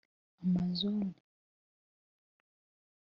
Amazone